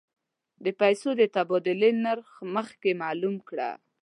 د پیسو د تبادلې نرخ مخکې معلوم کړه.